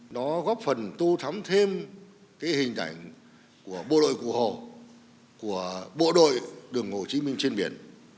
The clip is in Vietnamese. nó góp phần tô thắm thêm cái hình ảnh của bộ đội cụ hồ của bộ đội đường hồ chí minh trên biển